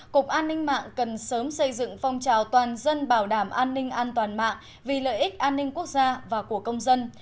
cục an ninh mạng cần sớm xây dựng phong trào toàn dân bảo đảm an ninh an toàn mạng vì lợi ích an ninh quốc gia và của công dân